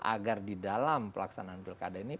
agar di dalam pelaksanaan pilkada ini